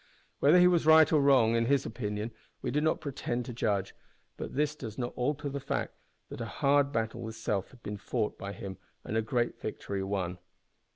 Whether he was right or wrong in his opinion we do not pretend to judge, but this does not alter the fact that a hard battle with self had been fought by him, and a great victory won.